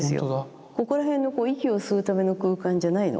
ここら辺の息を吸うための空間じゃないの。